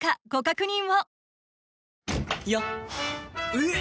えっ！